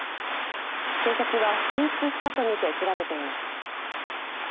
警察は紛失したと見て調べています。